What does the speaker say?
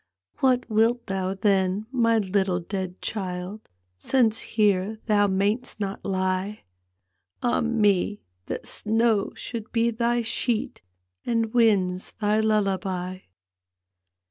" What wilt thou then, my little dead child, Since here thou may'st not lie? Ah, me 1 that snow should be thy sheet, And winds thy lullaby!